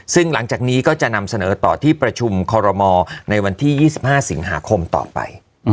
ซึ่งหลังจากนี้ก็จะนำเสนอต่อที่ประชุมคอรมอลในวันที่๒๕สิงหาคมต่อไป